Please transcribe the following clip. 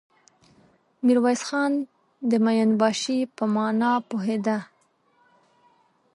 ميرويس خان د مين باشي په مانا پوهېده.